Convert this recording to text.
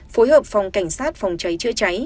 phối hợp phòng cảnh sát phòng cháy chưa cháy